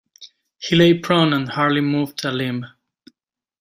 He lay prone and hardly moved a limb.